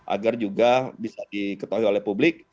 agar juga bisa diketahui oleh publik